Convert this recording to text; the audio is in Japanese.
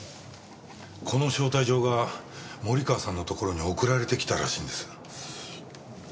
この招待状が森川さんのところに送られてきたらしいんです。